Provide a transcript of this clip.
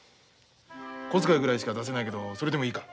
小遣いぐらいしか出せないけどそれでもいいか？